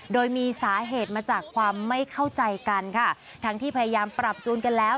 โดยมีสาเหตุมาจากความไม่เข้าใจกันค่ะทั้งที่พยายามปรับจูนกันแล้ว